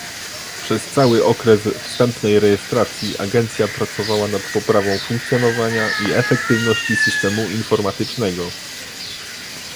Przez cały okres wstępnej rejestracji agencja pracowała nad poprawą funkcjonowania i efektywności systemu informatycznego